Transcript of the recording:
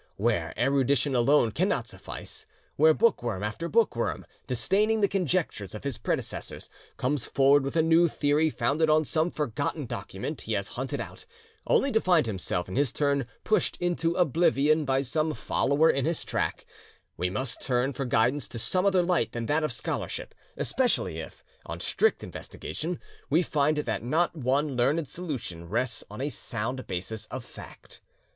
Where erudition alone cannot suffice; where bookworm after bookworm, disdaining the conjectures of his predecessors, comes forward with a new theory founded on some forgotten document he has hunted out, only to find himself in his turn pushed into oblivion by some follower in his track, we must turn for guidance to some other light than that of scholarship; especially if, on strict investigation, we find that not one learned solution rests on a sound basis of fact.